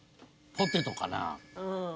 ポテトかな。